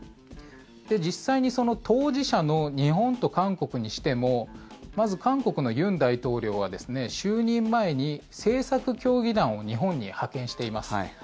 実際に当事者の日本と韓国にしてもまず、韓国の尹大統領は就任前に政策協議団を日本に派遣しています。